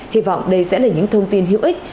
hy vọng đây sẽ là những thông tin hữu ích